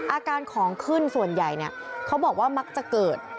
อาการของขึ้นส่วนใหญ่บอกว่ามักจะเกิด